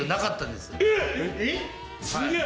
すげえ！